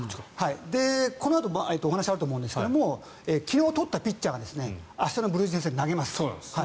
このあとお話があると思うんですが昨日取ったピッチャーが明日のブルージェイズ戦で投げます。